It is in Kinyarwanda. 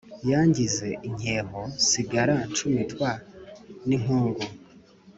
Yangize inkeho nsigara ncumitwa n'inkungu